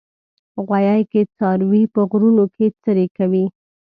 غویی کې څاروي په غرونو کې څرې کوي.